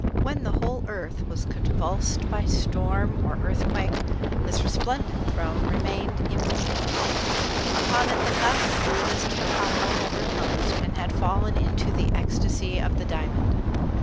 When the whole earth was convulsed by storm or earthquake this resplendent throne remained immovable. Upon it the thousand Buddhas of the Kalpa had reposed and had fallen into the "ecstasy of the diamond."